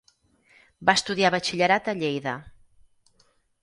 Va estudiar batxillerat a Lleida.